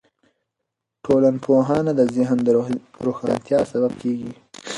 ټولنپوهنه د ذهن د روښانتیا سبب کیږي.